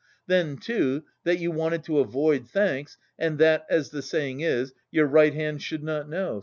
Then, too, that you wanted to avoid thanks and that, as the saying is, your right hand should not know...